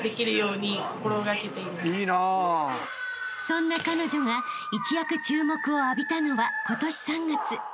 ［そんな彼女が一躍注目を浴びたのは今年３月］